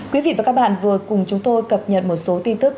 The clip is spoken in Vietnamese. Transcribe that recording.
quý vị và các bạn vừa cùng chúng tôi cập nhật một số tin tức